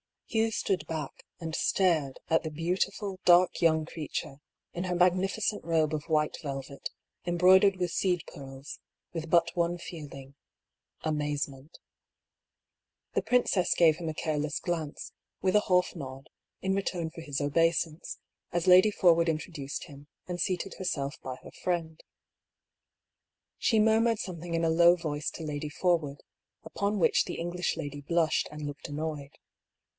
Hugh stood back, and stared at the beautiful, dark young creature, in her magnificent robe of white velvet, embroidered with seed pearls, with but one feeling — amazement. THE BEGINNING OP THE SEQUEL. 175 The princess gave him a careless glance, with a half nod, in return for his obeisance, as Lady Forwood in troduced him, and seated herself by her friend. She murmured something in a low voice to Lady Forwood, upon which the English lady blushed and looked annoyed.